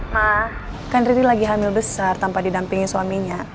ma kan riri lagi hamil besar tanpa didampingin suaminya